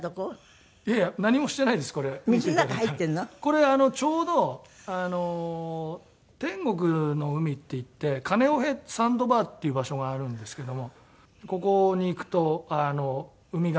これちょうど天国の海っていってカネオヘサンドバーっていう場所があるんですけどもここに行くとウミガメがいたりとか。